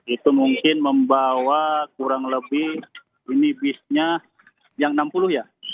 itu mungkin membawa kurang lebih ini busnya yang enam puluh ya lima puluh yang lima puluh penumpang lah ya